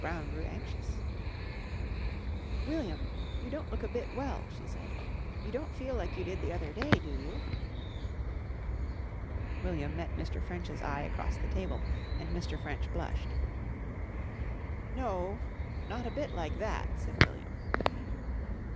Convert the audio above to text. Brown grew anxious. "William, you don't look a bit well," she said. "You don't feel like you did the other day, do you?" William met Mr. French's eye across the table and Mr. French blushed. "No, not a bit like that," said William.